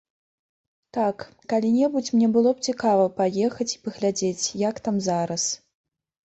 Так, калі-небудзь мне было б цікава паехаць і паглядзець, як там зараз.